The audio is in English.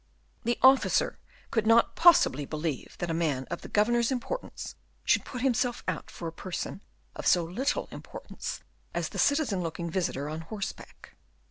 The officer could not possibly believe that a man of the governor's importance should put himself out for a person of so little importance as the citizen looking visitor on horseback.